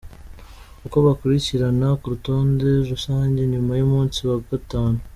Uko bakurikirana ku rutonde rusange nyuma y’umunsi wa gatanu:.